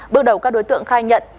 bước đầu các đối tượng khai nhận